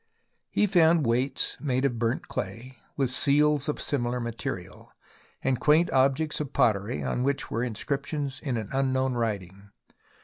He found weights made of burnt clay, with seals of similar material, and quaint objects of pottery on which were inscriptions in an unknown writing.